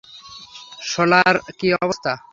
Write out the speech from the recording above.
শোলার কী অবস্থা?